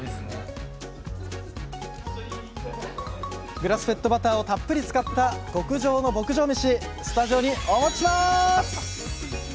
グラスフェッドバターをたっぷり使った極上の牧場メシスタジオにお持ちします！